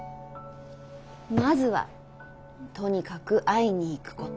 まずはとにかく会いに行くこと。